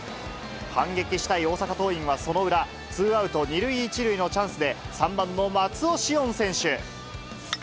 反撃したい大阪桐蔭はその裏、ツーアウト２塁１塁のチャンスで、３番の松尾汐恩選手。